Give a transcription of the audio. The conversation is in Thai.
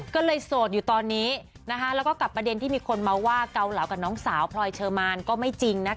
ก็เลยโสดอยู่ตอนนี้แล้วก็กับประเด็นที่มีคนมาว่าเกาเหลากับน้องสาวพลอยเชอร์มานก็ไม่จริงนะคะ